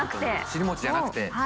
尻もちじゃなくて。